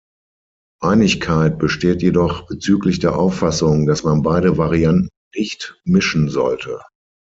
Einigkeit besteht jedoch bezüglich der Auffassung, dass man beide Varianten nicht mischen sollte.